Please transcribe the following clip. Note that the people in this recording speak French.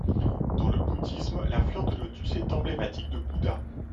Dans le bouddhisme la fleur de lotus est emblématique de Bouddha.